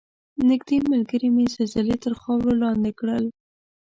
نږدې ملګرې مې زلزلې تر خاورو لاندې کړل.